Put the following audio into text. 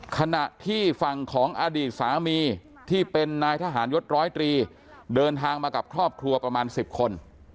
ขณะที่ฝั่งของอดีตสามีที่เป็นนายทหารยศร้อยตรีเดินทางมากับครอบครัวประมาณ๑๐คน